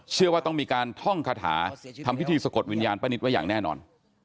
เชื่อว่าต้องมีการท่องคาถาทำพิธีสะกดวิญญาณป้านิตไว้อย่างแน่นอน